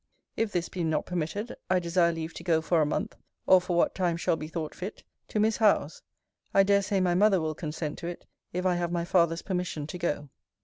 If this be not permitted, I desire leave to go for a month, or for what time shall be thought fit, to Miss Howe's. I dare say my mother will consent to it, if I have my father's permission to go.